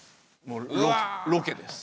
もうロケです。